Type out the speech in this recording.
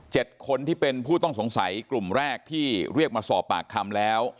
คนที่เป็นผู้ต้องสงสัยกลุ่มแรกที่เรียกมาสอบปากคำแล้ว